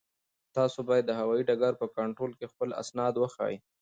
تاسو باید د هوایي ډګر په کنټرول کې خپل اسناد وښایئ.